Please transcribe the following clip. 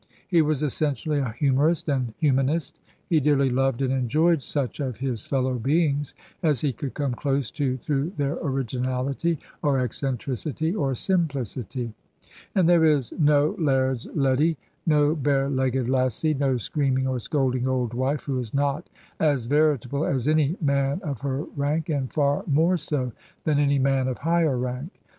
He was essentially a humor^t and humanist; he dearly loved and enjoyed such of his fellow beings as he could come close to through their originality, or eccentricity, or simplicity; and there is no laird's leddy, no bare legged lassie, no screaming or scolding old wife, who is not as veritable as any man of her rank, and far more so than any man of higher rank.